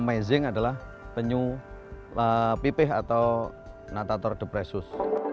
yang paling luar biasa adalah penyu pipih atau natator depressus